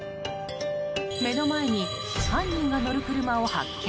目の前に、犯人が乗る車を発見。